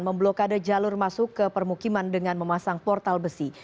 memblokade jalur masuk ke permukiman dengan memasang portal besi